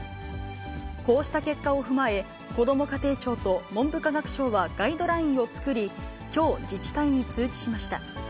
こうした結果を踏まえ、こども家庭庁と文部科学省はガイドラインを作り、きょう、自治体に通知しました。